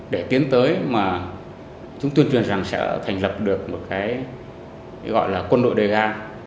để tiến tới mà chúng tuyên truyền rằng sẽ thành lập được một cái gọi là quân đội dega